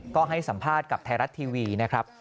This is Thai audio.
ก็ให้สัมภาษณ์กับไทยรัฐทีวีนะครับ